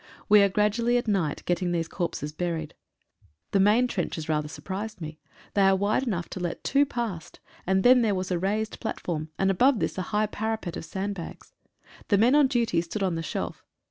We are gradually at night get ting these corpses buried. The main trenches rather surprised me. They are wide enough to let two past, and then there was a raised platform, and above this a high parapet of sandbags. The men on ditty stood on the shelf.